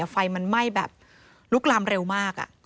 ไฟมันไหม้แบบลุกลามเร็วมาก